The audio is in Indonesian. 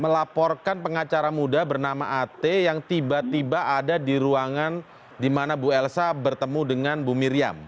melaporkan pengacara muda bernama at yang tiba tiba ada di ruangan di mana bu elsa bertemu dengan bu miriam